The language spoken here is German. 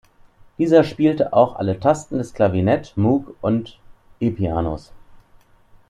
Dieser spielte auch alle Tasten des Clavinet, Moog und E-Pianos.